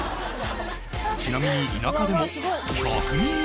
ちなみに田舎でも。